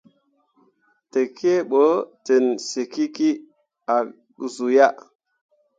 Tekie ɓo ten sǝkikki ah zu yah.